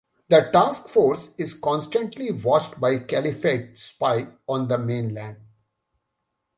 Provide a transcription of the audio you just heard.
The task force is constantly watched by a "Caliphate" spy on the mainland.